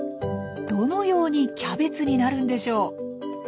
どのようにキャベツになるんでしょう？